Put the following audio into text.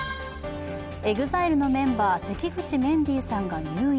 ＥＸＩＬＥのメンバー、関口メンディーさんが入院。